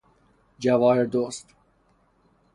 جواهر دزد